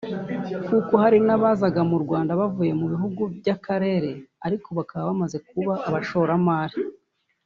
kuko hari nk’abazaga mu Rwanda bavuye mu bihugu by’akarere ariko ubu bakaba bamaze kuba abashoramari